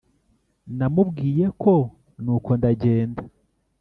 namubwiye ko nuko ndagenda.